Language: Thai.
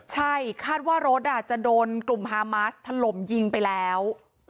ใช่คาดว่ารถจะโดนกลุ่มฮามาสถล่มยิงไปแล้ว